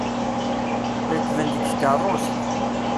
Rekben deg tkerrust.